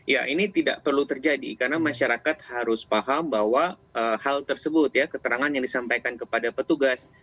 ya ini tidak perlu terjadi karena masyarakat harus paham bahwa hal tersebut ya keterangan yang disampaikan kepada petugas